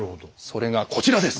それがこちらです。